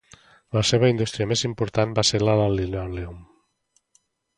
La seva indústria més important va ser la del linòleum.